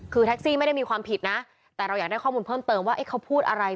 คือแท็กซี่ไม่ได้มีความผิดนะแต่เราอยากได้ข้อมูลเพิ่มเติมว่าเขาพูดอะไร